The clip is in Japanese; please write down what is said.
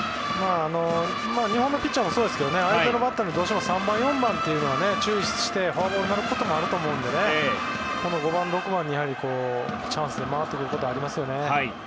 日本のピッチャーもそうですけど相手のバッターどうしても３番、４番に注意してフォアボールになることもあるかと思うので５番、６番にチャンスで回ってくることがありますよね。